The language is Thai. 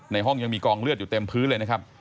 ห้องยังมีกองเลือดอยู่เต็มพื้นเลยนะครับ